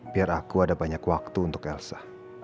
biar aku ada banyak waktu untuk elsa